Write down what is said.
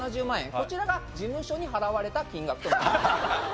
こちらが事務所に払われた金額となります。